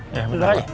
iya di luar aja